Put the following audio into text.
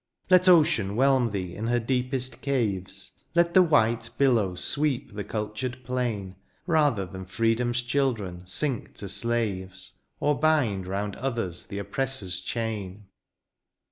Let ocean whelm thee in her deepest caves. Let the white billow sweep the cultured plain. Rather than freedom^s children sink to slaves. Or bind round others the oppressor's chain.